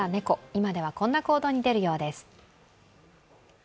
今では、こんな行動に出るようです